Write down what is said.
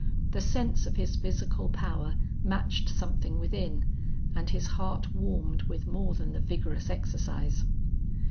The sense of his physical power matched something within, and his heart warmed with more than the vigorous exercise.